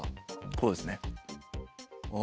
こうですね。